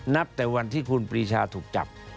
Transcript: นับแต่วันที่คุณปรีชาถูกจับ